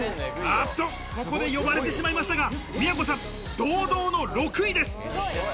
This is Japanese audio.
あぁっと、ここで呼ばれてしまいましたが、都さん、堂々の６位です。